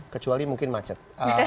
kecuali mungkin macet